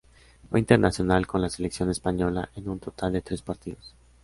Fue internacional con la selección española en un total de tres partidos.